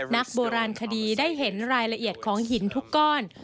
นักโบราณคดีได้เห็นรายละเอียดของหินทุกก้อน